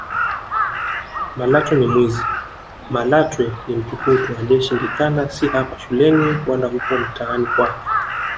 Malatwe ni mwizi Malatwe ni mtukutu aliyeshindikana si hapa shuleni wala huko mtaani kwake